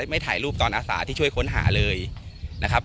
ไม่ถ่ายรูปตอนอาสาที่ช่วยค้นหาเลยนะครับ